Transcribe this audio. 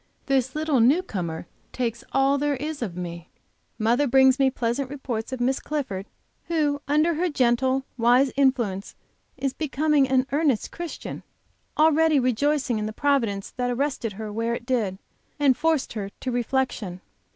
This little new comer takes all there, is of me. Mother brings me pleasant reports of Miss Clifford, who under her gentle, wise influence is becoming an earnest Christian, already rejoicing in the Providence that arrested her where it did, and forced her to reflection.